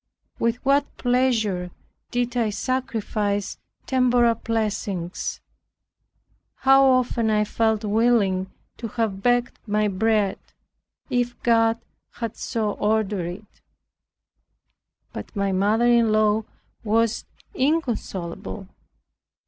With what pleasure did I sacrifice temporal blessings. How often I felt willing to have begged my bread, if God had so ordered it. But my mother in law was inconsolable.